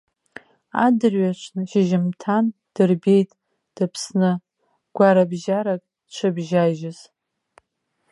Адырҩаҽны шьыжьымҭан дырбеит дыԥсны гәарабжьарак дшыбжьажьыз.